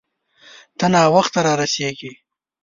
ته ناوخته را رسیږې